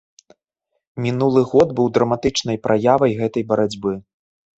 Мінулы год быў драматычнай праявай гэтай барацьбы.